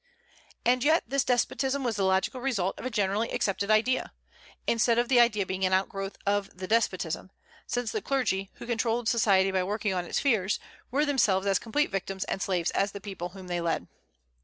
And yet this despotism was the logical result of a generally accepted idea, instead of the idea being an outgrowth of the despotism, since the clergy, who controlled society by working on its fears, were themselves as complete victims and slaves as the people whom they led.